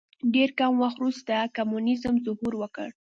ډېر کم وخت وروسته کمونیزم ظهور وکړ.